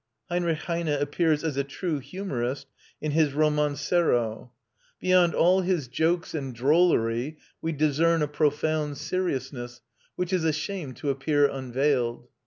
Heinrich Heine appears as a true humourist in his "Romancero." Behind all his jokes and drollery we discern a profound seriousness, which is ashamed to appear unveiled.